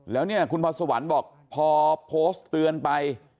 แล้วเนี่ยคุณพรสวรรค์บอกพอโพสต์เตือนไป